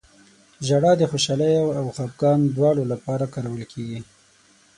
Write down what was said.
• ژړا د خوشحالۍ او خفګان دواړو لپاره کارول کېږي.